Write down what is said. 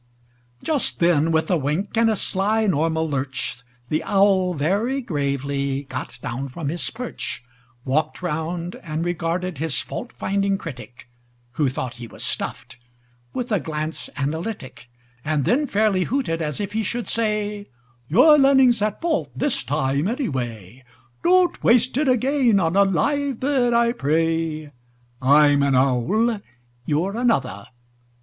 Just then, with a wink and a sly normal lurch, The owl, very gravely, got down from his perch, Walked round, and regarded his fault finding critic (Who thought he was stuffed) with a glance analytic, And then fairly hooted, as if he should say: "Your learning's at fault this time, any way; Don't waste it again on a live bird, I pray. I'm an owl; you're another.